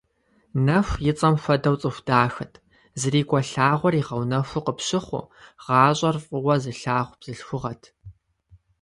Нэху и цӀэм хуэдэу цӀыху дахэт, зрикӀуэ лъагъуэр игъэнэхуу къыпщыхъуу, гъащӀэр фӀыуэ зылъагъу бзылъхугъэт.